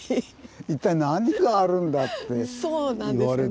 一体何があるんだっていわれてもね。